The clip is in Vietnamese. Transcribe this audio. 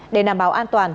để đảm bảo an toàn